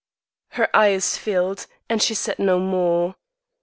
Her eyes filled, and she said no more.